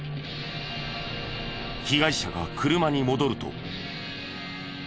被害者が車に戻ると。